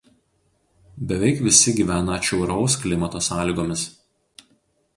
Beveik visi gyvena atšiauraus klimato sąlygomis.